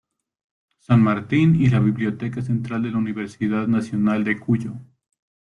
San Martín y la Biblioteca Central de la Universidad Nacional de Cuyo.